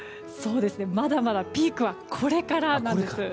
まだまだピークはこれからなんです。